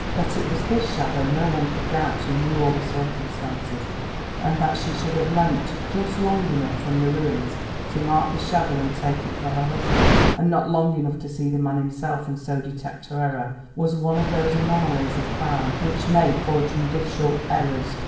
That it was his shadow no one could doubt who knew all the circumstances, and that she should have leant just long enough from the ruins to mark this shadow and take it for her husband's and not long enough to see the man himself and so detect her error, was one of those anomalies of crime which make for judicial errors.